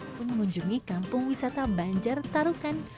untuk mengunjungi kampung wisata banjar tarukan